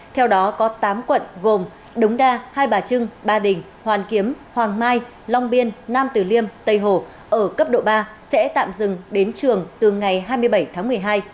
theo đó có tám quận gồm đống đa hai bà trưng ba đình hoàn kiếm hoàng mai long biên nam tử liêm tây hồ ở cấp độ ba sẽ tạm dừng đến trường từ ngày hai mươi bảy tháng một mươi hai